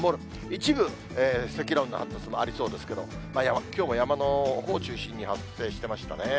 一部、積乱雲の発達もありそうですけれども、きょうも山のほうを中心に発生してましたね。